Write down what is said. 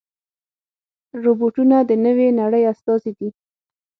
روبوټونه د نوې نړۍ استازي دي.